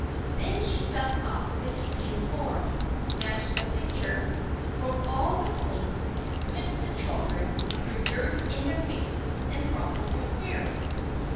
Then she dug up the kitchen floor, smashed the pitcher, broke all the plates, whipped the children, threw dirt in their faces, and rumpled their hair.